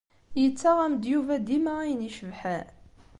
Yettaɣ-am-d Yuba dima ayen icebḥen?